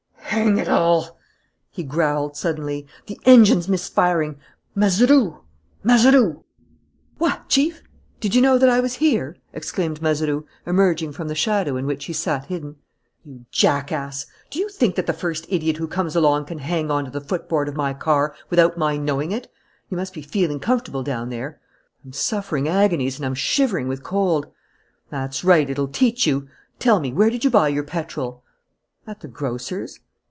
"Hang it all!" he growled suddenly. "The engine's misfiring! Mazeroux! Mazeroux!" "What, Chief! Did you know that I was here?" exclaimed Mazeroux, emerging from the shadow in which he sat hidden. "You jackass! Do you think that the first idiot who comes along can hang on to the footboard of my car without my knowing it? You must be feeling comfortable down there!" "I'm suffering agonies, and I'm shivering with cold." "That's right, it'll teach you. Tell me, where did you buy your petrol?" "At the grocer's."